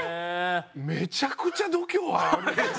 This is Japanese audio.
めちゃくちゃ度胸ある。